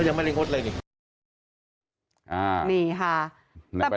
นี่ค่ะ